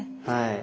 はい。